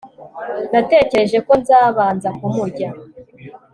natekereje ko nzabanza kumurya